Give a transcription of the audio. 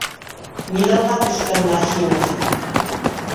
Миҙалға төшкән Нахимов.